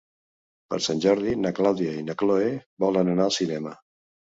Per Sant Jordi na Clàudia i na Cloè volen anar al cinema.